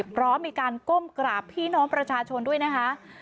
พร้อมมีการก้มกราบพี่น้องประชาชนด้วยนะคะ